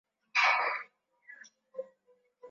china Kuna watu milioni thalathini wanaoishi na ukimwi